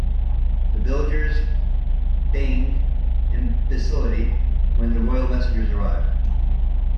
The villagers feigned imbecility when the royal messengers arrived.